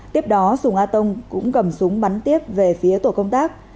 tiếp đó sùng a tông cũng cầm súng bắn tiếp về phía tổ công tác